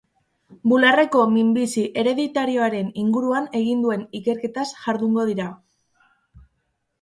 Bularreko minbizi hereditarioaren inguruan egin duen ikerketaz jardungo dira.